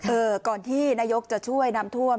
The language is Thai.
เออก่อนที่นายกจะช่วยน้ำท่วม